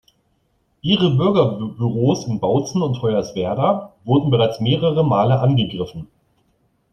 Ihre Bürgerbüros in Bautzen und Hoyerswerda wurden bereits mehrere Male angegriffen.